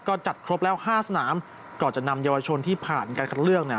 ก็จัดครบแล้วห้าสนามก่อนจะนำเยาวชนที่ผ่านการคัดเลือกเนี่ย